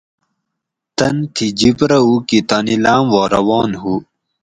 تۤن تھی جیپ رہۤ اُوکی تانی لاۤم وا روان ہُو